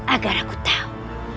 agar aku tahu